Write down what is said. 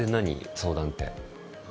相談って。